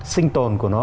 sinh tồn của nó